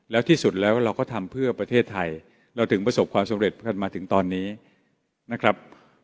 แล้วที่สุดแล้วเราก็ทำเพื่อประเทศไทยเราถึงประสบความสำเร็จกันมาถึงตอนนี้นะครับ